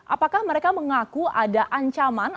apakah mereka mengaku ada ancaman